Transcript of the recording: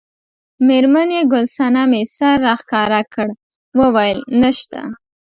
میرمن یې ګل صمنې سر راښکاره کړ وویل نشته.